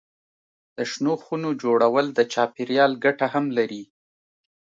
د شنو خونو جوړول د چاپېریال ګټه هم لري.